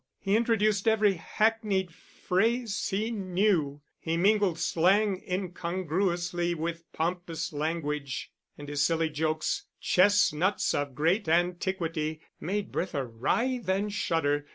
He introduced every hackneyed phrase he knew, he mingled slang incongruously with pompous language; and his silly jokes, chestnuts of great antiquity, made Bertha writhe and shudder.